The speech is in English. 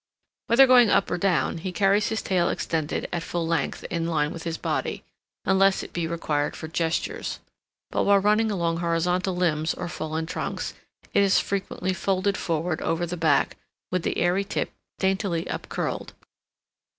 Whether going up or down, he carries his tail extended at full length in line with his body, unless it be required for gestures. But while running along horizontal limbs or fallen trunks, it is frequently folded forward over the back, with the airy tip daintily upcurled.